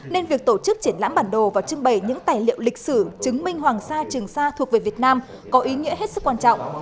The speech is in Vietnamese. nên việc tổ chức triển lãm bản đồ và trưng bày những tài liệu lịch sử chứng minh hoàng sa trường sa thuộc về việt nam có ý nghĩa hết sức quan trọng